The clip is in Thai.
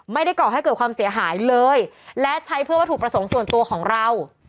ก่อให้เกิดความเสียหายเลยและใช้เพื่อวัตถุประสงค์ส่วนตัวของเรา